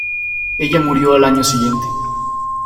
Ella murió al año siguiente.